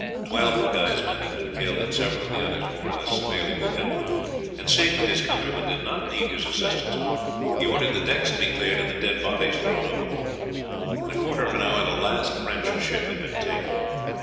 Twelve of Guy's men had been killed, and several of the others more or less severely wounded, and seeing that his countrymen did not need his assistance, he ordered the decks to be cleared and the dead bodies thrown overboard. In a quarter of an hour, the last French ship had been taken.